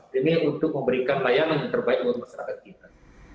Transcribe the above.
demi untuk memberikan layanan yang terbaik buat masyarakat kita